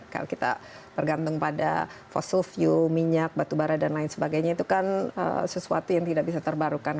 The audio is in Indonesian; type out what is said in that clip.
kalau kita bergantung pada fossil fuel minyak batubara dan lain sebagainya itu kan sesuatu yang tidak bisa terbarukan